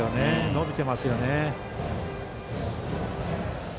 伸びていますよね。